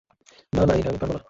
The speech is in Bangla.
না না না এটা আমি পারবো না।